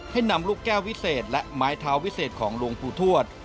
นำลูกแก้ววิเศษและไม้เท้าวิเศษของหลวงปู่ทวด